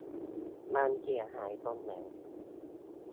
มันเสียหายตรงไหน ?